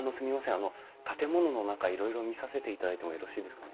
あの建物の中いろいろ見させていただいてもよろしいですかね？